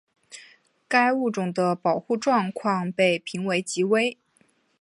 该物种的保护状况被评为极危。